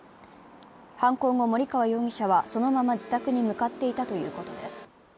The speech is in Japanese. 犯行後、森川容疑者はそのまま自宅に向かっていたということです。